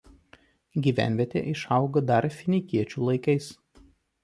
Gyvenvietė išaugo dar finikiečių laikais.